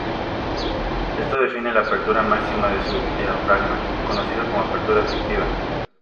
Esto define la apertura máxima de su diafragma, conocida como apertura efectiva.